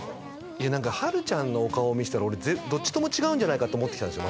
何かはるちゃんのお顔を見てたら俺どっちとも違うんじゃないかと思ってきたんですよ